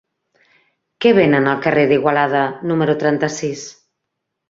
Què venen al carrer d'Igualada número trenta-sis?